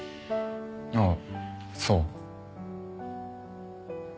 ああそう。